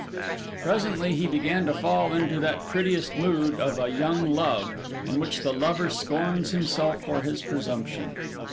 Presently he began to fall into that prettiest mood of a young love, in which the lover scorns himself for his presumption.